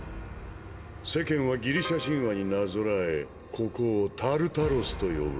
世間はギリシャ神話になぞらえここを「タルタロス」と呼ぶ。